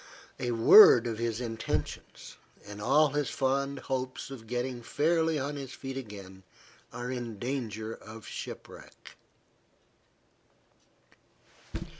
A word of his intentions, and all his fond hopes of getting fairly on his feet again are in danger of shipwreck.